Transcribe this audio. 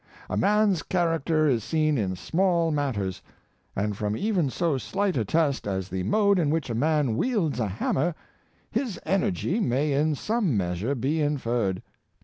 A man's character is seen in small matters ; and from even so slight a test as the mode in which a man wields a hammer, his energy may in some measure be inferred.